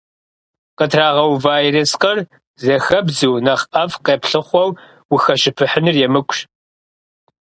Къытрагъэува ерыскъыр зэхэбдзу, нэхъ ӏэфӏ къэплъыхъуэу ухэщыпыхьыныр емыкӏущ.